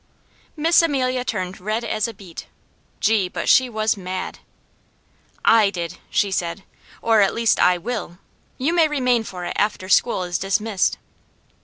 Miss Amelia turned red as a beet. Gee, but she was mad! "I did!" she said. "Or at least I will. You may remain for it after school is dismissed."